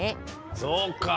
そうか。